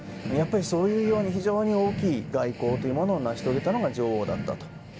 そういうように非常に大きい外交を成し遂げたのが女王だったと。